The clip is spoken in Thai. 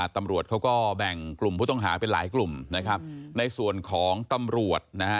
ตำรวจเขาก็แบ่งกลุ่มผู้ต้องหาเป็นหลายกลุ่มนะครับในส่วนของตำรวจนะฮะ